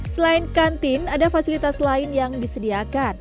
selain kantin ada fasilitas lain yang disediakan